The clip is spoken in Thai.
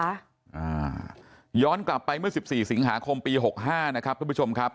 อ่าย้อนกลับไปเมื่อ๑๔สิงหาคมปี๖๕นะครับท่านผู้ชมครับ